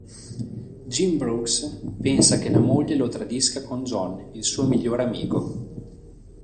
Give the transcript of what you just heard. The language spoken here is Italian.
Jim Brooks pensa che la moglie lo tradisca con John, il suo migliore amico.